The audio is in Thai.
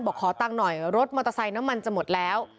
ขอตังค์หน่อยรถมอเตอร์ไซค์น้ำมันจะหมดแล้ว